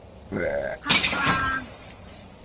พรรคกลาง